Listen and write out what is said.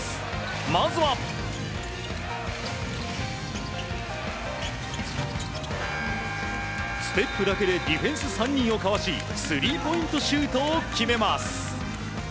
まずは、ステップだけでディフェンス３人をかわしスリーポイントシュートを決めます。